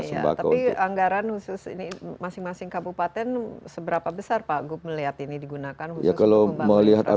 iya tapi anggaran khusus ini masing masing kabupaten seberapa besar pak gup melihat ini digunakan khusus untuk membangun infrastruktur